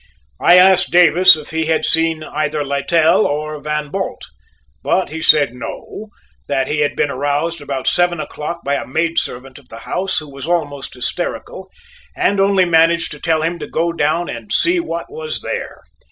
I asked Davis if he had seen either Littell or Van Bult, but he said no; that he had been aroused about seven o'clock by a maid servant of the house who was almost hysterical, and only managed to tell him to go down and "see what was there."